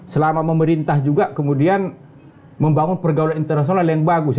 selama memerintah juga kemudian membangun pergaulan internasional yang bagus